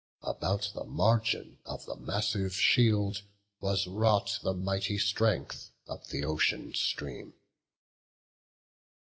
About the margin of the massive shield Was wrought the mighty strength of th' ocean stream.